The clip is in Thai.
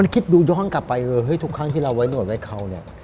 คิดดูย้อนกลับไปว่าเฮ้ยทุกครั้งที่เราไว้หนวดไว้เขาเนี่ย